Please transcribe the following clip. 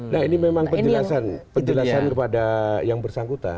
nah ini memang penjelasan kepada yang bersangkutan